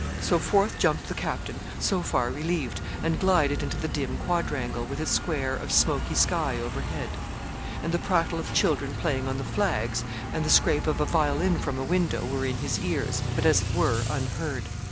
So forth jumped the captain, so far relieved, and glided into the dim quadrangle, with its square of smoky sky overhead; and the prattle of children playing on the flags, and the scrape of a violin from a window, were in his ears, but as it were unheard.